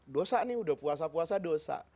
dosa nih udah puasa puasa dosa